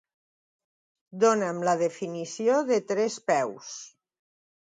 Dona'm la definició de trespeus.